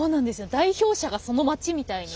代表者がその町みたいに。